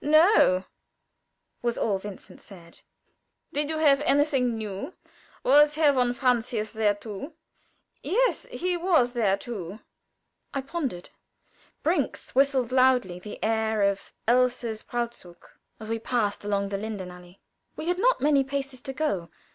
"No," was all Vincent said. "Did you have anything new? Was Herr von Francius there too?" "Yes; he was there too." I pondered. Brinks whistled loudly the air of Elsa's "Brautzug," as we paced across the Lindenallée. We had not many paces to go.